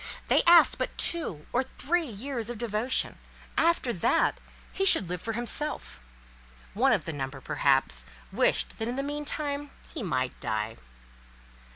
They asked but two or three years of devotion—after that, he should live for himself: one of the number, perhaps, wished that in the meantime he might die.